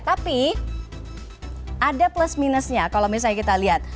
tapi ada plus minusnya kalau misalnya kita lihat